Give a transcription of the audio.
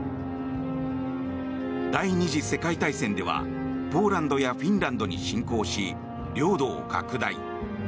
第２次世界大戦ではポーランドやフィンランドに侵攻し領土を拡大。